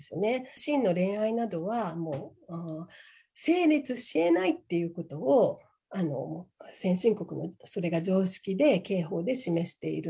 真の恋愛などは、もう成立しえないっていうことを、先進国はそれが常識で、刑法で示している。